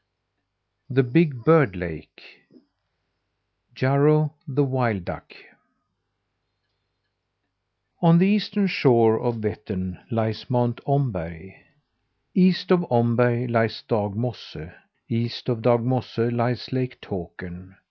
THE BIG BIRD LAKE JARRO, THE WILD DUCK On the eastern shore of Vettern lies Mount Omberg; east of Omberg lies Dagmosse; east of Dagmosse lies Lake Takern.